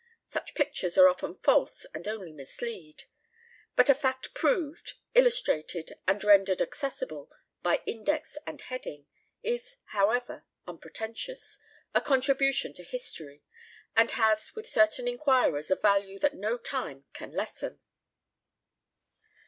Such pictures are often false and only mislead; but a fact proved, illustrated, and rendered accessible by index and heading, is, however unpretentious, a contribution to history, and has with certain inquirers a value that no time can lesson.